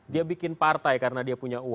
dia bikin partai karena dia punya uang